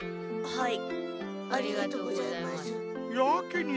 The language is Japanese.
はい。